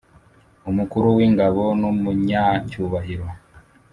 umukuru w’ingabo n’umunyacyubahiro,